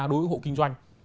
đối với hộ kinh doanh